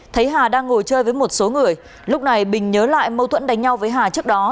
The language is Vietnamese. thấy hà đang ngồi chơi với một số người lúc này bình nhớ lại mâu thuẫn đánh nhau với hà trước đó